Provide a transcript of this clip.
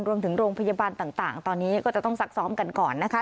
รวมถึงโรงพยาบาลต่างตอนนี้ก็จะต้องซักซ้อมกันก่อนนะคะ